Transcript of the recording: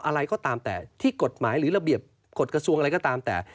อะไรก็ตามแต่ที่กฎหมายหรือระเบียบกฎกระทรวงอะไรก็ตามแต่